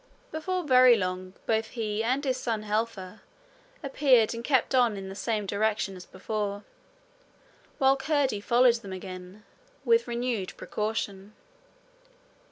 Before very long, both he and his son Helfer appeared and kept on in the same direction as before, while Curdie followed them again with renewed precaution.